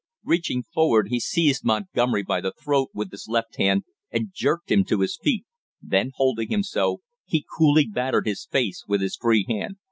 Reaching forward he seized Montgomery by the throat with his left hand and jerked him to his feet, then holding him so, he coolly battered his face with his free hand.